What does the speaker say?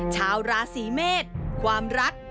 ชาวราศีเมษความรัก